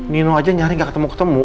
nino aja nyari gak ketemu ketemu